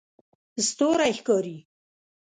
ستوری ښکاري